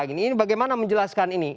ini bagaimana menjelaskan ini